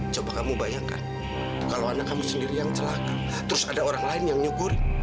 coba kamu bayangkan kalau anak kamu sendiri yang celaka terus ada orang lain yang nyugur